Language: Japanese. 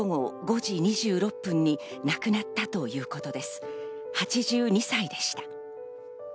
８２歳でした。